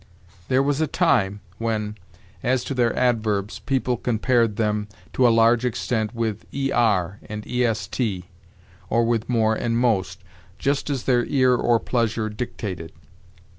There was a time when, as to their adverbs, people compared them, to a large extent, with _ er_ and _ est_, or with more and most, just as their ear or pleasure dictated.